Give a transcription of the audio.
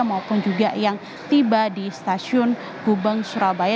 maupun juga yang tiba di stasiun gubeng surabaya